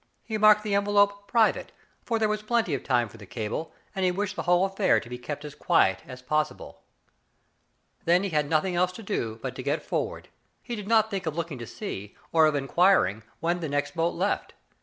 He marked the envelope " private," for there was plenty of time for the cable, and he Digitized by Google RICHARD BOWLING, 169 wished the wHole affair to be kept as quiet as possible. Then he had nothing ebe to do but to get for ward. He did not think of looking to see, or of inquiring when the next boat left.